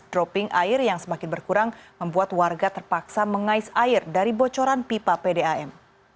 dropping air yang semakin berkurang membuat warga terpaksa mengais air dari bocoran pipa pdam